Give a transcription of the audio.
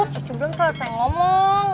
cucu belum selesai ngomong